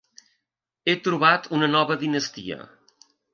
He trobat una nova dinastia.